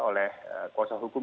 oleh kuasa hukum